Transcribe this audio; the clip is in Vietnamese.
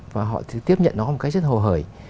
và họ tiếp nhận nó một cách rất hồ hởi